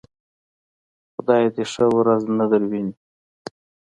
خدای دې ښه ورځ نه درويني.